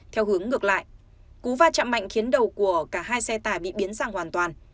theo hướng ngược lại cú va chạm mạnh khiến đầu của cả hai xe tải bị biến dạng hoàn toàn